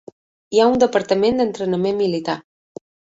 Hi ha un departament d'entrenament militar.